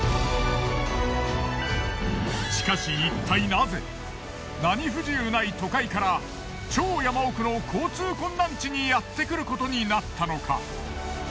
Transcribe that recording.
しかしいったいナゼ何不自由ない都会から超山奥の交通困難地にやってくることになったのか？